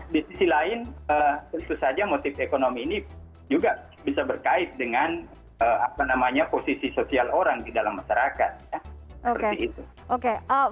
di sisi lain tentu saja motif ekonomi ini juga bisa berkait dengan posisi sosial orang di dalam masyarakat